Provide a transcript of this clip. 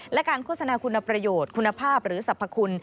และการโฆษณาคุณประโยชน์คุณภาพหรือสรรพคุณ